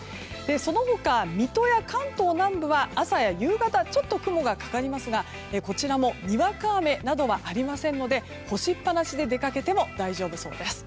その他、水戸や関東南部は朝や夕方ちょっと雲がかかりますがこちらもにわか雨などはありませんので干しっ放しで出かけても大丈夫そうです。